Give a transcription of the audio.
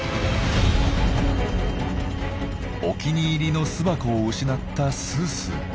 お気に入りの巣箱を失ったすーすー。